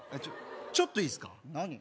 ちょっといいすか何？